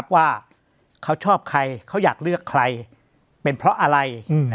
ว่าเขาชอบใครเขาอยากเลือกใครเป็นเพราะอะไร